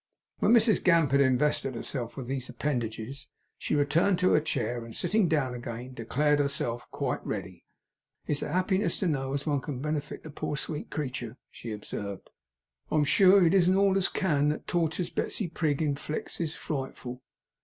When Mrs Gamp had invested herself with these appendages she returned to her chair, and sitting down again, declared herself quite ready. 'It's a 'appiness to know as one can benefit the poor sweet creetur,' she observed, 'I'm sure. It isn't all as can. The torters Betsey Prig inflicts is frightful!